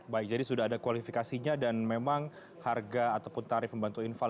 baik jadi sudah ada kualifikasinya dan memang harga ataupun tarif pembantu infal